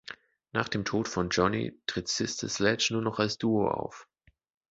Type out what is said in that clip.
Nach dem Tod von Joni tritt Sister Sledge nur noch als Duo auf.